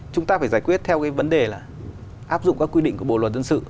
chúng ta phải giải quyết theo cái vấn đề là áp dụng các quy định của bộ luật dân sự